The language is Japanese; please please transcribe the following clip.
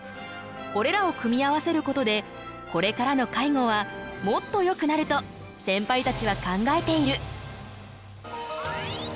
これらを組み合わせることでこれからの介護はもっとよくなるとセンパイたちは考えている。